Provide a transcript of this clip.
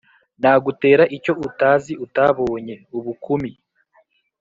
Nagutera icyo utazi utabonye Ubukumi